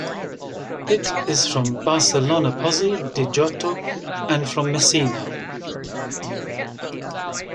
It is from Barcellona Pozzo di Gotto and from Messina.